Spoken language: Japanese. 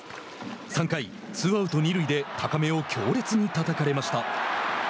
３回、ツーアウト、二塁で高めを強烈にたたかれました。